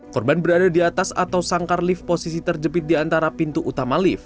korban berada di atas atau sangkar lift posisi terjepit di antara pintu utama lift